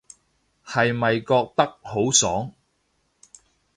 係咪覺得好爽